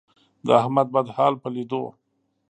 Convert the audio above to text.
د احمد بد حال په لیدو،